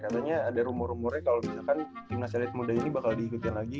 katanya ada rumor rumurnya kalau misalkan timnas elit muda ini bakal diikutin lagi